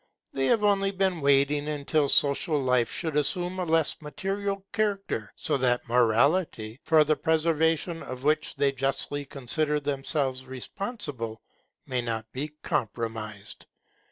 They have only been waiting until social life should assume a less material character; so that morality, for the preservation of which they justly consider themselves responsible, may not be compromised.